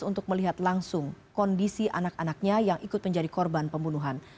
untuk melihat langsung kondisi anak anaknya yang ikut menjadi korban pembunuhan